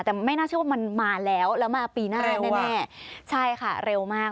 แต่ไม่น่าเชื่อว่ามันมาแล้วแล้วมาปีหน้าแน่ใช่ค่ะเร็วมาก